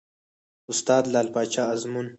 استاد : لعل پاچا ازمون